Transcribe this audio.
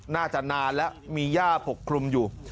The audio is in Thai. น่าจะนานแล้วมีย่าปกคลุมอยู่